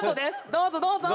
どうぞどうぞ！